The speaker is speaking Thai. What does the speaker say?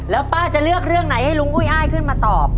แล้วป้าจะเลือกเรื่องไหนให้ลุงอุ้ยอ้ายขึ้นมาตอบ